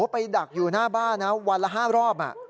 ไปดักอยู่หน้าบ้านนะวันละ๕รอบ